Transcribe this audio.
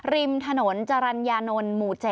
ริมถนนจรรยานนท์หมู่๗